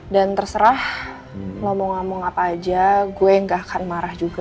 dan terserah lo mau ngomong apa aja gue gak akan marah juga